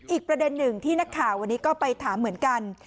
อีกประเด็นหนึ่งที่นักข่าววันนี้ก็ไปถามเหมือนกัน